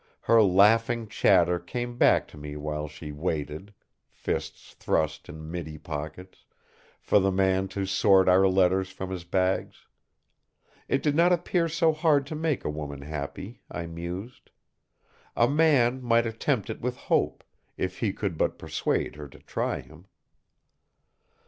Her laughing chatter came back to me while she waited, fists thrust in middy pockets, for the old man to sort our letters from his bags. It did not appear so hard to make a woman happy, I mused. A man might attempt it with hope, if he could but persuade her to try him.